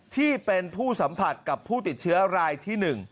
ที่เป็นผู้สัมผัสกับผู้ติดเชื้อรายที่๑